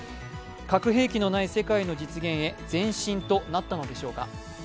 「核兵器のない世界」へ前進となったのでしょうか。